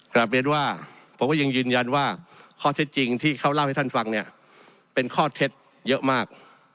กลับเรียนว่าผมก็ยังยืนยันว่าข้อเท็จจริงที่เขาเล่าให้ท่านฟังเนี่ยเป็นข้อเท็จจริงเยอะมาก